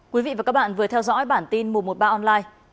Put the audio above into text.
quý vị và các bạn vừa theo dõi bản tin mùa một ba online